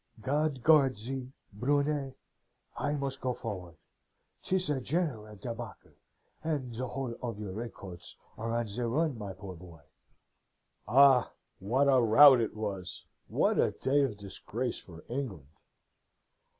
God guard thee, Brunet! I must go forward. 'Tis a general debacle, and the whole of your redcoats are on the run, my poor boy.' Ah, what a rout it was! What a day of disgrace for England!